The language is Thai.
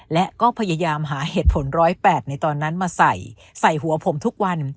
และก็พยายามหาเหตุผล๑๐๘ในตอนนั้นมาใส่ใส่หัวผมทุกวัน